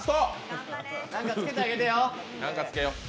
なんかつけてあげてよ！